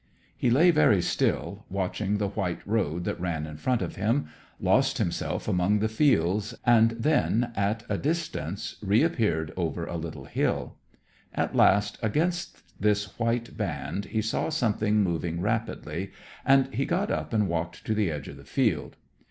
He lay very still, watching the white road that ran in front of him, lost itself among the fields, and then, at a distance, reappeared over a little hill. At last, against this white band he saw something moving rapidly, and he got up and walked to the edge of the field.